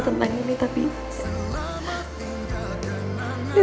jangan ragu tapi